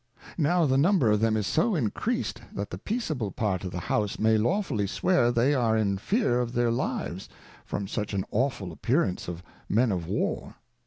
Now the number of them is so encreased, that the Peaceable part of the House may lawfully swear they are in fear of their Lives, from such an Awful Appearance of Men of War.